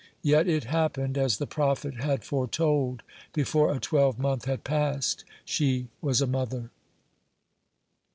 Yet it happened as the prophet had foretold. Before a twelvemonth had passed, she was a mother.